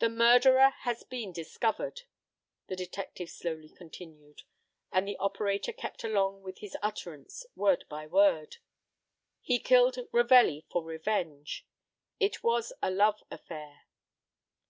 "The murderer has been discovered," the detective slowly continued, and the operator kept along with his utterance word by word. "He killed Ravelli for revenge. It was a love affair."